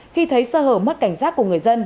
khi thấy sơ hở mất cảnh giác của người dân